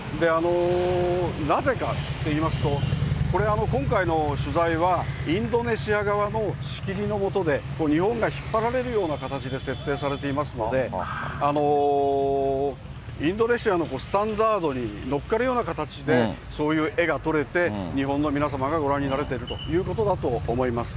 なぜかっていいますと、これ、今回の取材は、インドネシア側の仕切りのもとで、日本が引っ張られるような形で設定されていますので、インドネシアのスタンダードに乗っかるような形で、そういう画が取れて、日本の皆様がご覧になれてるということだと思います。